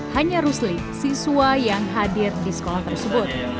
hanya rusli siswa yang hadir di sekolah tersebut